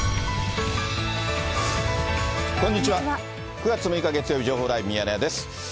９月６日月曜日、情報ライブミヤネ屋です。